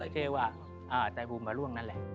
เทวะไตภูมิพระร่วงนั่นแหละ